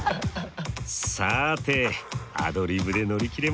さてアドリブで乗り切れますか？